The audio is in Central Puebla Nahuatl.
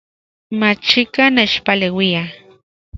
Machikaj nechpaleuia